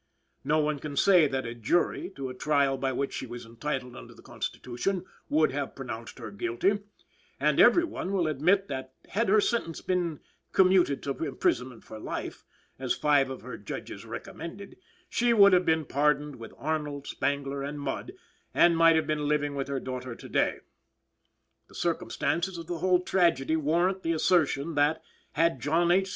No one can say that a jury, to a trial by which she was entitled under the Constitution, would have pronounced her guilty, and every one will admit that had her sentence been commuted to imprisonment for life, as five of her judges recommended, she would have been pardoned with Arnold, Spangler and Mudd, and might have been living with her daughter to day. The circumstances of the whole tragedy warrant the assertion that, had John H.